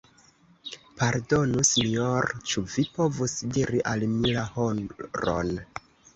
Pardonu Sinjoro, ĉu vi povus diri al mi la horon?